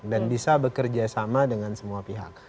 dan bisa bekerja sama dengan semua pihak